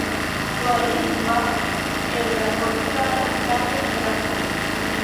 Dulingva, en la portugala kaj Esperanto.